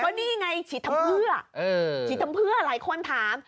นี่ไงฉีดทำเพื่อฉีดทำเพื่อหลายคนถาม